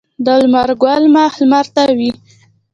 د لمر ګل مخ لمر ته وي.